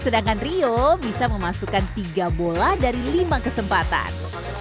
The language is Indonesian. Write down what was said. sedangkan rio bisa memasukkan tiga bola dari lima kesempatan